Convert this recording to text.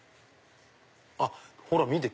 あっほら見て！